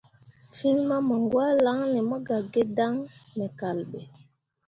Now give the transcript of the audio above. Fîi mamǝŋgwãalaŋne mo gah gi dan me kal ɓe.